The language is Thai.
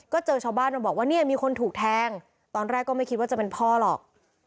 ก็เจอชาวบ้านมาบอกว่าเนี่ยมีคนถูกแทงตอนแรกก็ไม่คิดว่าจะเป็นพ่อหรอก